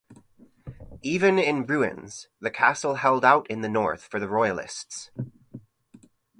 Even in ruins, the castle held out in the north for the Royalists.